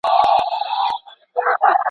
چي شېردل يې کړ د دار تمبې ته پورته